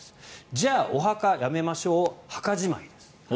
じゃあ、お墓やめましょう墓じまいです。